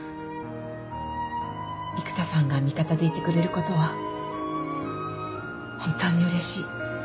育田さんが味方でいてくれることは本当にうれしい。